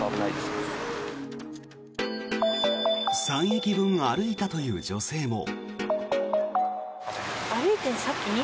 ３駅分歩いたという女性も。